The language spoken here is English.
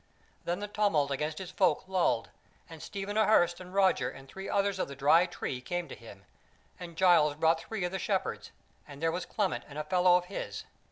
Then the tumult amidst his folk lulled, and Stephen a Hurst and Roger and three others of the Dry Tree came to him, and Giles brought three of the Shepherds, and there was Clement and a fellow of his.